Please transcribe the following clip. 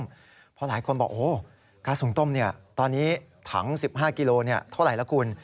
เพราะหลายคนบอกก๊าซหุ่งต้มตอนนี้ถัง๑๕กิโลเท่าไหร่ละคุณ